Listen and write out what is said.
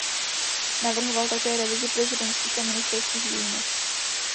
Navrhoval také revizi prezidentských a ministerských výjimek.